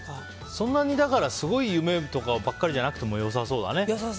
そんなにすごい夢とかばっかりじゃなくてもよさそうだね。